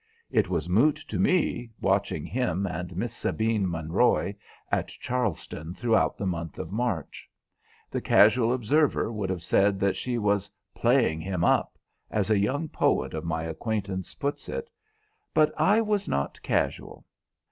It was moot to me, watching him and Miss Sabine Monroy at Charleston throughout the month of March. The casual observer would have said that she was "playing him up," as a young poet of my acquaintance puts it; but I was not casual.